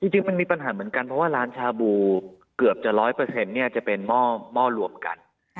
จริงมันมีปัญหาเหมือนกันเพราะว่าร้านชาบูเกือบจะ๑๐๐จะเป็นหม้อรวมกัน